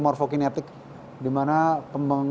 program bayi tabung